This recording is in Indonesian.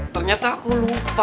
ternyata aku lupa